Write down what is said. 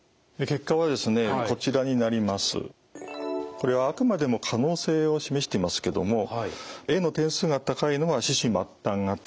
これはあくまでも可能性を示していますけどもＡの点数が高いのが四肢末端型。